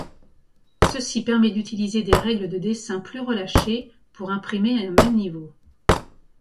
Ceci permet d'utiliser des règles de dessin plus relâchées pour imprimer un même niveau.